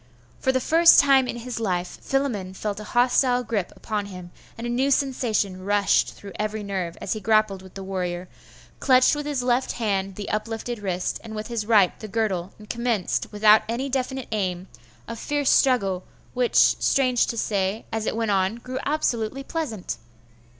For the first time in his life Philammon felt a hostile gripe upon him, and a new sensation rushed through every nerve, as he grappled with the warrior, clutched with his left hand the up lifted wrist, and with his right the girdle, and commenced, without any definite aim, a fierce struggle, which, strange to say, as it went on, grew absolutely pleasant.